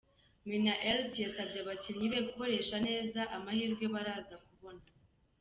Minnaert yasabye abakinnyi be gukoresha neza amahirwe baraza kubona.